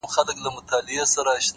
مينه مني ميني څه انكار نه كوي ـ